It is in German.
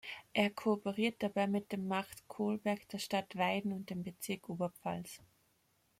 Er kooperiert dabei mit dem Markt Kohlberg, der Stadt Weiden und dem Bezirk Oberpfalz.